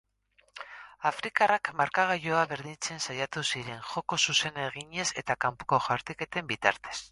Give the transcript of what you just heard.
Afrikarrak markagailua berdintzen saiatu ziren, joko zuzena eginez eta kanpoko jaurtiketen bitartez.